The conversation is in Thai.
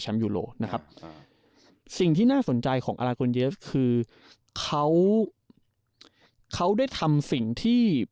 แชมป์ยูโรนะครับอ่าสิ่งที่น่าสนใจของคือเขาเขาได้ทำสิ่งที่